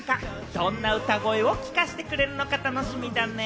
どんな歌声を聴かせてくれるのか楽しみだね。